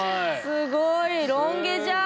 すごいロン毛じゃん！